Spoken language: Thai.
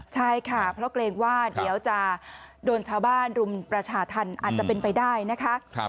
ใช่ค่ะเพราะเกรงว่าเดี๋ยวจะโดนชาวบ้านรุมประชาธรรมอาจจะเป็นไปได้นะคะ